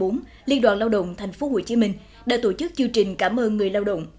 năm hai nghìn một mươi bốn liên đoàn lao động tp hcm đã tổ chức chương trình cảm ơn người lao động